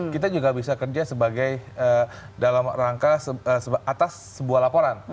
kita juga bisa kerja sebagai dalam rangka atas sebuah laporan